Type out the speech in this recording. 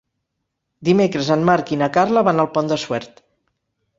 Dimecres en Marc i na Carla van al Pont de Suert.